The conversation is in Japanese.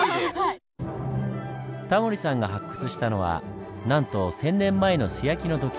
タモリさんが発掘したのはなんと千年前の素焼きの土器。